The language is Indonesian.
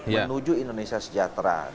menuju indonesia sejahtera